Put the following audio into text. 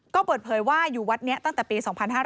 ก็เปิดเผยว่าอยู่วัดนี้ตั้งแต่ปี๒๕๕๙